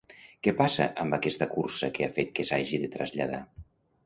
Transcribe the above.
Què passa amb aquesta cursa que ha fet que s'hagi de traslladar?